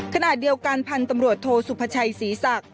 ขณะเดียวกันพันธุ์ตำรวจโทสุพชัยศรีศักดิ